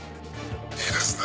いいですね？